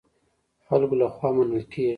خلکو له خوا منل کېږي.